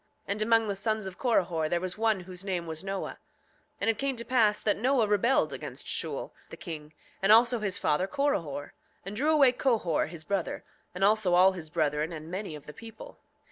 And among the sons of Corihor there was one whose name was Noah. 7:15 And it came to pass that Noah rebelled against Shule, the king, and also his father Corihor, and drew away Cohor his brother, and also all his brethren and many of the people.